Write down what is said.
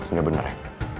ini benar ya